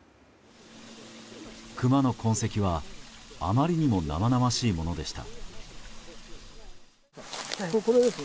クマの痕跡はあまりにも生々しいものでした。